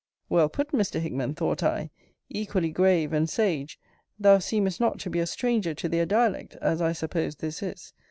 Well put, Mr. Hickman! thought I; equally grave and sage thou seemest not to be a stranger to their dialect, as I suppose this is.